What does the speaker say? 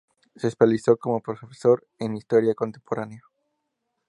Se especializó como profesor de historia contemporánea.